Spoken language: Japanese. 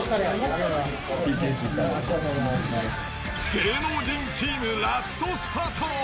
芸能人チーム、ラストスパート。